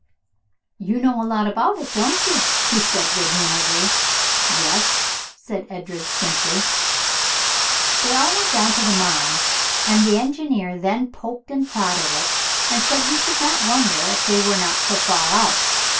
"You know a lot about it, don't you?" he said good humoredly. "Yes," said Edred simply. Then they all went down to the mound, and the engineer then poked and prodded it and said he should not wonder if they were not so far out.